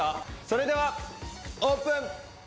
それではオープン！